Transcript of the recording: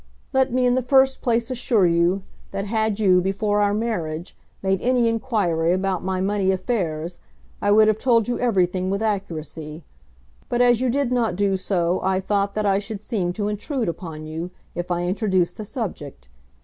Let me in the first place assure you that had you, before our marriage, made any inquiry about my money affairs, I would have told you everything with accuracy; but as you did not do so I thought that I should seem to intrude upon you, if I introduced the subject.